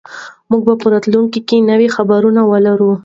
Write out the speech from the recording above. موږ به په راتلونکي کې نوې خپرونې ولرو.